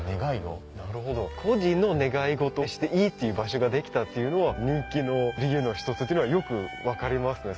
個人の願い事していいっていう場所ができたっていうのは人気の理由の一つっていうのがよく分かります。